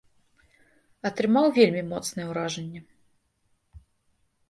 Атрымаў вельмі моцнае ўражанне.